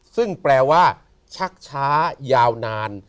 ซึ่งแปลว่าชักช้ายาวนาน